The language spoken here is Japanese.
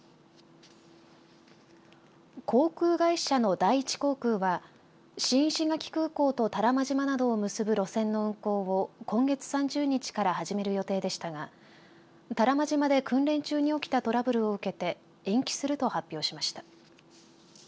航空会社の第一航空は新石垣空港と多良間島などを結ぶ路線の運航を今月３０日から始める予定でしたが多良間島で訓練中に起きたトラブルを受けて延期すると発表しました。